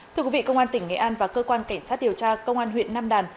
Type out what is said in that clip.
thưa quý vị công an tỉnh nghệ an và cơ quan cảnh sát điều tra công an huyện nam đàn